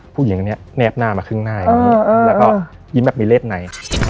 ผู้หญิงคนนี้แนบหน้ามาครึ่งหน้าอย่างนี้แล้วก็ยิ้มแบบมีเลขใน